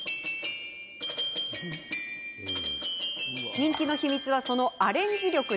人気の秘密は、そのアレンジ力。